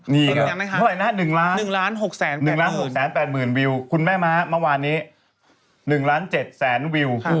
นี่นี่กันนะคะ๑ล้าน๖๘๐๐๐๐วิวคุณแม่ม้ามันวานนี้๑๗๐๐๐๐๐วิววันเดียว